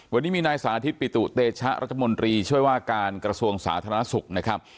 วันนี้มีนายสาธิตปิตุเตชะรัฐมนตรีช่วยว่าการกระทรวงสาธารณสุขนะครับ